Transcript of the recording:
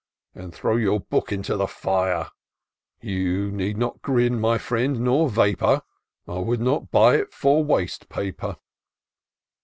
And throw your book into the fire : You need not grin, my friend, nor vapour ; I would not buy it for waste paper!